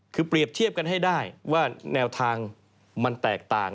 คือเปรียบเทียบกันให้ได้ว่าแนวทางมันแตกต่าง